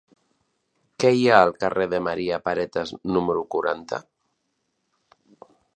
Què hi ha al carrer de Maria Paretas número quaranta?